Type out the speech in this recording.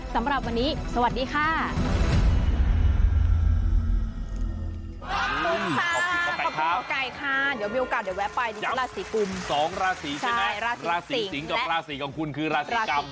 สำหรับวันนี้สวัสดีค่ะ